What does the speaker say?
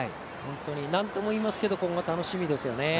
何度も言いますけど今後も楽しみですよね。